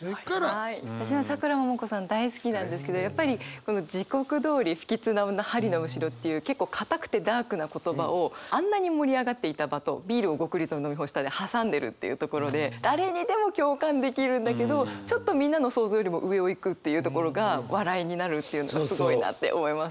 大好きなんですけどやっぱり「地獄通り」「不吉な女」「針の筵」っていう結構かたくてダークな言葉を「あんなに盛り上がっていた場」と「ビールをゴクリと飲み干した」で挟んでるっていうところで誰にでも共感できるんだけどちょっとみんなの想像よりも上を行くっていうところが笑いになるっていうのがすごいなって思います。